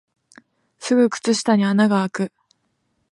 すぐ靴下に穴があく